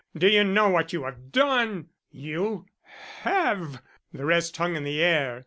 Do you know what you have done? You have " The rest hung in air.